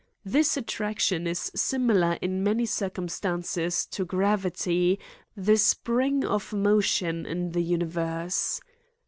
This attraction is siniilar in many cir cumstances to gravity, the spring of motion in the universe.